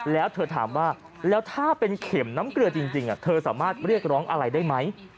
แล้วเธอถามว่าแล้วถ้าเป็นเข็มน้ำเกลือจริงเธอสามารถเรียกร้องอะไรได้ไหม